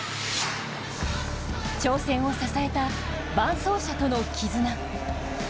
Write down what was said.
挑戦を支えた伴走者とのきずな。